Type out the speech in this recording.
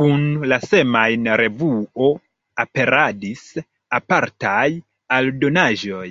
Kun la semajn-revuo aperadis apartaj aldonaĵoj.